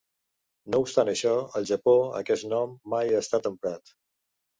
No obstant això, al Japó aquest nom mai ha estat emprat.